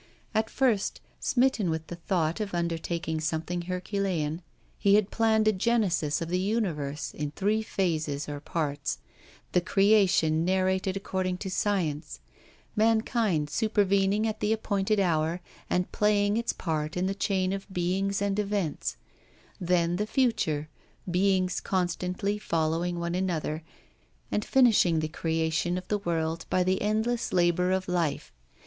At first, smitten with the thought of undertaking something herculean, he had planned a genesis of the universe, in three phases or parts; the creation narrated according to science; mankind supervening at the appointed hour and playing its part in the chain of beings and events; then the future beings constantly following one another, and finishing the creation of the world by the endless labour of life.